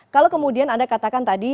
kalau kemudian anda katakan tadi